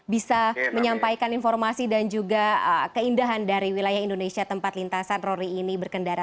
bisa menyampaikan informasi dan juga keindahan dari wilayah indonesia tempat lintasan rory ini berkendara